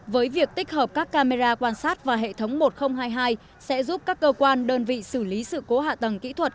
với việc tích hợp các camera quan sát và hệ thống một nghìn hai mươi hai sẽ giúp các cơ quan đơn vị xử lý sự cố hạ tầng kỹ thuật